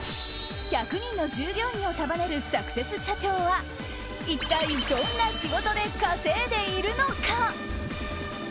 １００人の従業員を束ねるサクセス社長は一体どんな仕事で稼いでいるのか？